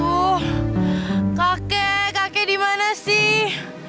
aduh kakek kakek dimana sih